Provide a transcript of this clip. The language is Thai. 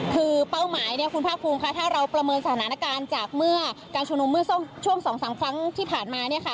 คือเป้าหมายเนี่ยคุณภาคภูมิค่ะถ้าเราประเมินสถานการณ์จากเมื่อการชุมนุมเมื่อช่วง๒๓ครั้งที่ผ่านมาเนี่ยค่ะ